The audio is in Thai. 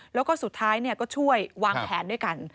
แล้วก็สุดท้ายก็ช่วยวางแผนด้วยกัน